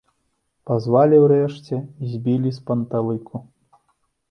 Пазвалі ўрэшце і збілі з панталыку.